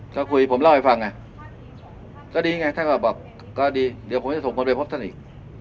ถ้าคุยผมเล่าให้ฟังไงก็ดีไงท่านก็บอกก็ดีเดี๋ยวผมจะส่งคนไปพบท่านอีก